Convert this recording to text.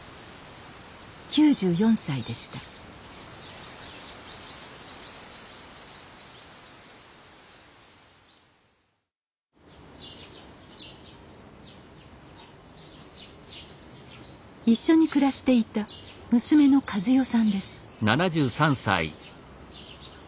９４歳でした一緒に暮らしていた娘の和葉さんです